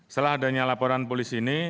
setelah adanya laporan polisi ini